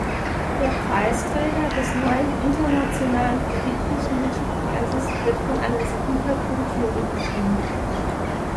Der Preisträger des neuen Internationalen Friedrich-Nietzsche-Preises wird von einer siebenköpfigen Jury bestimmt.